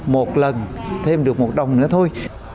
một lần thêm được một đồng nữa thôi